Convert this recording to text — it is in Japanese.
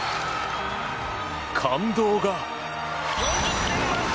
感動が。